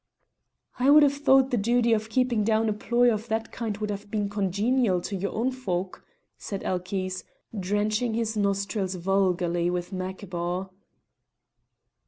"I would have thought the duty of keeping down a ploy of that kind would have been congenial to your own folk," said Elchies, drenching his nostrils vulgarly with macabaw.